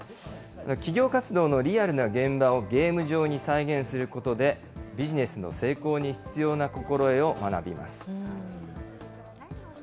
企業活動のリアルな現場をゲーム上に再現することで、ビジネスの成功に必要な心得を学びます。